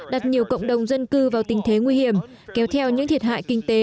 đặt nhiều cộng đồng dân cư vào tình thế nguy hiểm kéo theo những thiệt hại kinh tế